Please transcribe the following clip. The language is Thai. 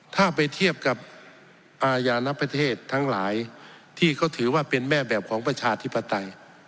ถ้าไปเทียบกับอาญาณประเทศทั้งหลายที่เขาถือว่าเป็นแม่แบบของประชาธิปไตย